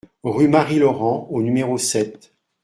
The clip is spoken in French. Rue Marie Laurent au numéro sept